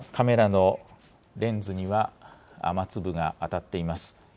カメラのレンズには雨粒が当たっています。